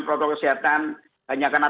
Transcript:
protokol kesehatan hanya karena